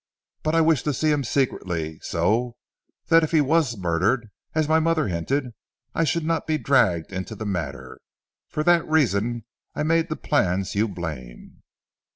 But I wished to see him secretly so that if he was murdered as my mother hinted I should not be dragged into the matter. For that reason I made the plans you blame.